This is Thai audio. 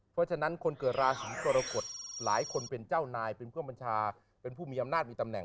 เพราะฉะนั้นคนเกิดราศีกรกฎหลายคนเป็นเจ้านายเป็นเพื่อนบัญชาเป็นผู้มีอำนาจมีตำแหน